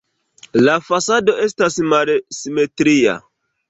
La fasado estas malsimetria.